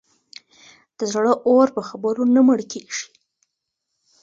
د زړه اور په خبرو نه مړ کېږي.